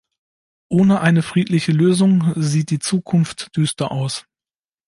Ohne eine friedliche Lösung sieht die Zukunft düster aus.